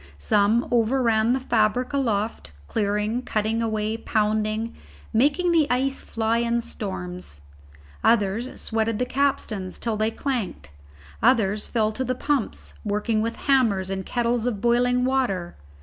Some overran the fabric aloft, clearing, cutting away, pounding, making the ice fly in storms; others sweated the capstans till they clanked; others fell to the pumps, working with hammers and kettles of boiling water.